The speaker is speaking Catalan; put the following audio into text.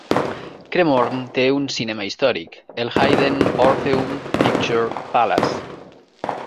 Cremorne té un cinema històric, el Hayden Orpheum Picture Palace.